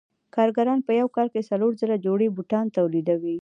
کارګران په یو کال کې څلور زره جوړې بوټان تولیدوي